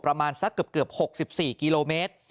ประมาณสักเกือบ๖๔กิโลเมตร